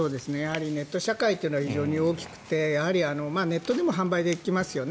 ネット社会というのは非常に大きくてネットでも販売できますよね